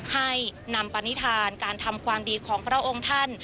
ให้นำปณิธานการทำความดีของพระองค์ท่าน